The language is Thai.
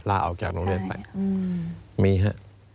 ลาออกจากโรงเรียนไปมีฮะ